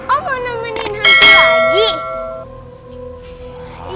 oh mau nemenin khas lagi